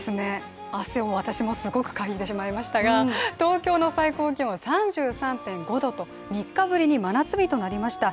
汗を私もすごく、かいてしまいましたが東京の最高気温３３．５度と３日ぶりに真夏日となりました。